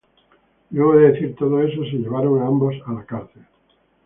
Luego de decir todo esto se llevan a ambos a la cárcel.